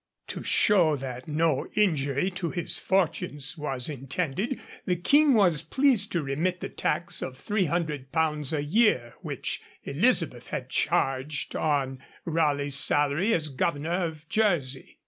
To show that no injury to his fortunes was intended, the King was pleased to remit the tax of 300_l._ a year which Elizabeth had charged on Raleigh's salary as Governor of Jersey.